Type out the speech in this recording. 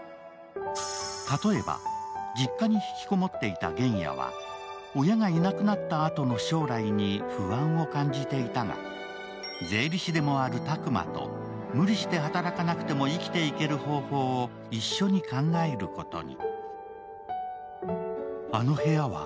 例えば、実家に引きこもっていた玄也は親がいなくなったあとの将来に不安を感じていたが、税理士でもある卓馬と無理して働かなくても生きていける方法を一緒に考えることに。